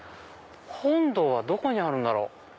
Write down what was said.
本堂はどこにあるんだろう？